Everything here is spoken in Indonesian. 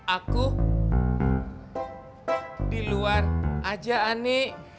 aku di luar aja aneh